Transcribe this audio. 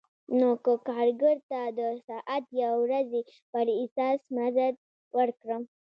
نو که کارګر ته د ساعت یا ورځې پر اساس مزد ورکړم